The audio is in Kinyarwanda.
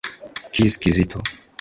Khizz Kizito